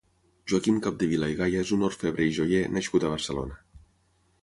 Joaquim Capdevila i Gaya és un orfebre i joier nascut a Barcelona.